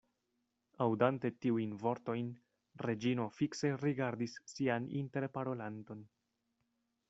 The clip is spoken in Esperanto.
Aŭdante tiujn vortojn, Reĝino fikse rigardis sian interparolanton.